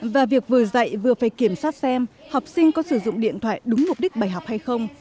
và việc vừa dạy vừa phải kiểm soát xem học sinh có sử dụng điện thoại đúng mục đích bài học hay không